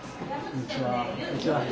こんにちは。